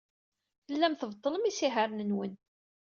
Tellam tbeṭṭlem isihaṛen-nwen.